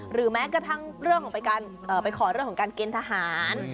หรือแม้กระทั่งขอเรื่องการเก็บทางทหาร